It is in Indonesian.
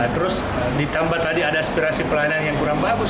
terus ditambah tadi ada aspirasi pelayanan yang kurang bagus